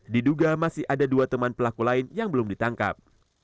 diduga masih ada dua teman pelaku lain yang belum ditangkap